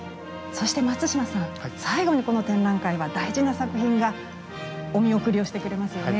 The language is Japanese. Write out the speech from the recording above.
そして松嶋さん最後にこの展覧会は大事な作品がお見送りをしてくれますよね。